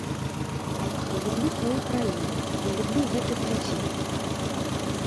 Я люблю сваю краіну, я люблю гэтых людзей.